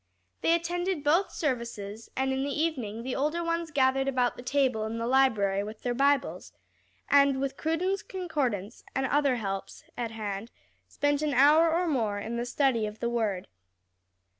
They attended both services, and in the evening the older ones gathered about the table in the library with their Bibles, and, with Cruden's Concordance and other helps at hand, spent an hour or more in the study of the word.